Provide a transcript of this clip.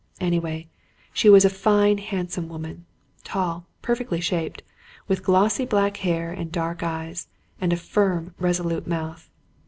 Anyway, she was a fine, handsome woman tall, perfectly shaped, with glossy black hair and dark eyes, and a firm, resolute mouth.